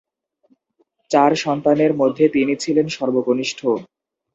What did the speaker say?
চার সন্তানের মধ্যে তিনি ছিলেন সর্বকনিষ্ঠ।